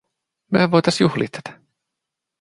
“Myöhän voitais juhlii tätä.